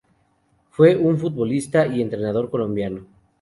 Fue un futbolista y entrenador colombiano.